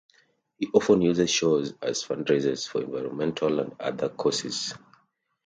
He often uses shows as fundraisers for environmental and other causes.